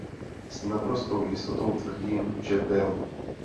S naprostou jistotou tvrdím, že byl!